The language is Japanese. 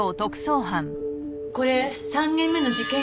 これ３件目の事件